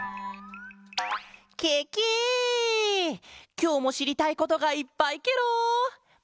きょうもしりたいことがいっぱいケロ！